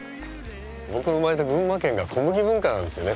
僕が生まれた群馬県が小麦文化なんですよね。